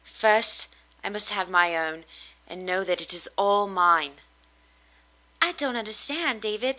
First, I must have my own, and know that it is all mine." "I don't understand, David.